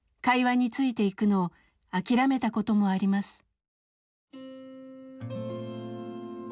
会話についていくのを諦めたこともあります。